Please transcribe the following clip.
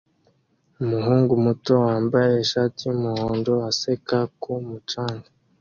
Umuhungu muto wambaye ishati yumuhondo aseka ku mucanga